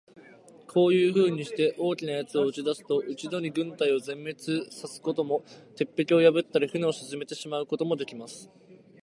こういうふうにして、大きな奴を打ち出すと、一度に軍隊を全滅さすことも、鉄壁を破ったり、船を沈めてしまうこともできます。